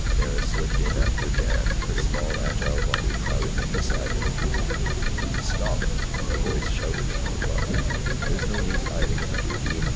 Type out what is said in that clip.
Mara slipped in after Jan, her small agile body crowding in beside him. "Stop!" a voice shouted from above. "There's no use hiding in that ravine.